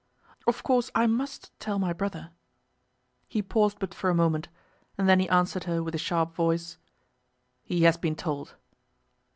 "Of course I must tell my brother." He paused but for a moment, and then he answered her with a sharp voice, "He has been told."